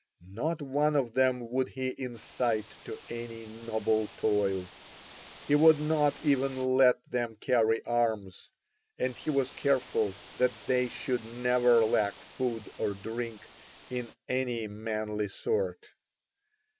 Not one of them would he incite to any noble toil, he would not even let them carry arms, and he was careful that they should never lack food or drink in any manly sort.